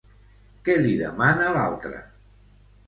Què li demana l'altre?